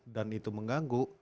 dan itu mengganggu